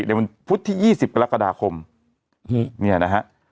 ในวันพุธที่๒๐กรกฎาคมเนี่ยนะฮะ